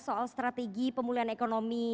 soal strategi pemulihan ekonomi